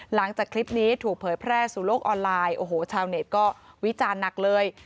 หลังจากคลิปนี้ถูกเผยแพร่สู่โลกออนไลน์โอ้โหชาวเน็ตก็วิจารณ์หนักเลย